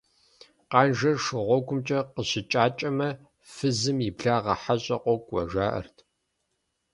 Къанжэр шыгъуэгумкӀэ къыщыкӀакӀэмэ, фызым и благъэ хьэщӀэ къокӀуэ, жаӀэрт.